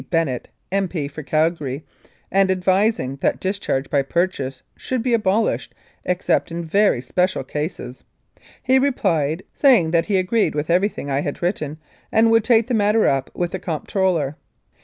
Bennett, M.P. for Calgary, ad vising that discharge by purchase should be abolished except in very special cases. He replied saying that he agreed with everything I had written, and would take the matter up with the Comptroller.